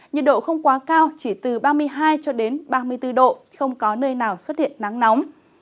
nhiệt độ không quá cao chỉ từ ba mươi hai cho đến ba mươi bốn độ không có nơi nào xuất hiện nắng nóng